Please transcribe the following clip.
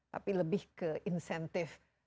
tapi lebih ke insentif